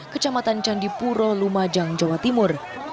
kecamatan candipuro lumajang jawa timur